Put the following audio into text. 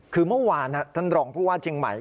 คือเมื่อวานทันดรองพวกว่าเชียงใหม่